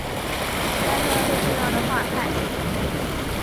佛罗伦萨画派是文艺复兴时期第一个重要的画派。